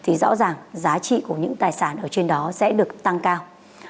thì rõ ràng giá trị của những tài sản ở trên đó sẽ được tăng cao